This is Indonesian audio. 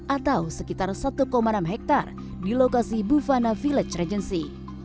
atau sekitar satu enam hektare di lokasi bufana village regency